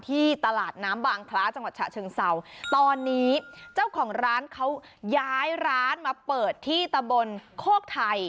ที่ตลาดน้ำบางคล้าจังหวัดฉะเชิงเศร้าตอนนี้เจ้าของร้านเขาย้ายร้านมาเปิดที่ตะบนโคกไทย